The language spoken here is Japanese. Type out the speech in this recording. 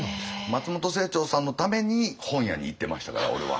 松本清張さんのために本屋に行ってましたから俺は。